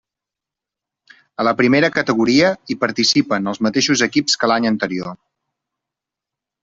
A la primera categoria hi participen els mateixos equips que l'any anterior.